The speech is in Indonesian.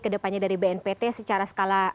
kedepannya dari bnpt secara skala